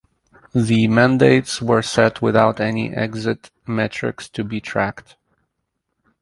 The mandates were set without any exit metrics to be tracked.